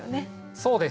そうです。